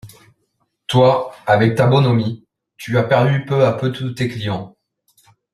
Toi, avec ta bonhomie, tu as perdu peu à peu tous tes clients…